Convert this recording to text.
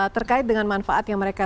terkait dengan manfaat yang mereka